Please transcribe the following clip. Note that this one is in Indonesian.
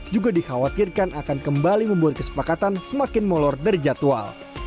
juga dikhawatirkan akan kembali membuat kesepakatan semakin molor dari jadwal